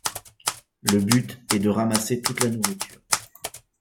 Le but est de ramasser toute la nourriture.